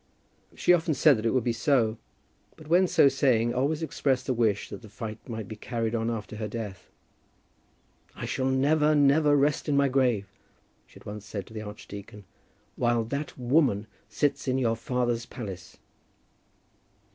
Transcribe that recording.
She often said that it would be so, but when so saying, always expressed a wish that the fight might be carried on after her death. "I shall never, never rest in my grave," she had once said to the archdeacon, "while that woman sits in your father's palace."